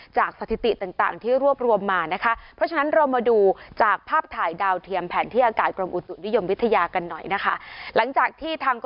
สถิติต่างที่รวบรวมมานะคะ